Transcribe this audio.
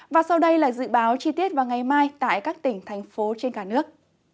và sau đây là dự báo chi tiết vào ngày mai tại các tỉnh thành phố trên cả nước